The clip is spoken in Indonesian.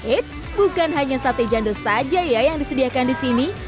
eits bukan hanya sate jando saja ya yang disediakan di sini